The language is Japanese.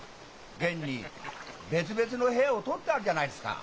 現に別々の部屋を取ってあるじゃないですか。